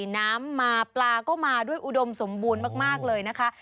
น้ำมาปลาก็มาด้วยอุดมสมบูรณ์มากเลยนะคะ